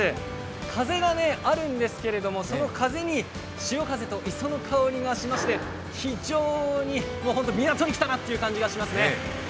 風があるんですけれども、その風に潮風と磯の香りがしまして、非常に、本当に港に来たなという感じがしますね。